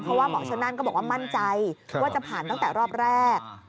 เพราะว่าหมอชนนั่นก็บอกว่ามั่นใจว่าจะผ่านตั้งแต่รอบแรก